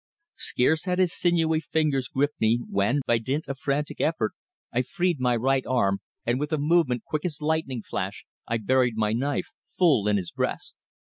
Scarce had his sinewy fingers gripped me, when, by dint of frantic effort, I freed my right arm, and with a movement quick as lightning flash, I buried my knife full in his breast.